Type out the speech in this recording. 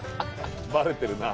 バレてるな。